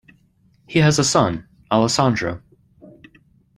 He has a son, Alessandro.